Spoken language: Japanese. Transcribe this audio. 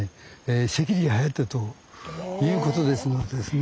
赤痢がはやったということですのでですね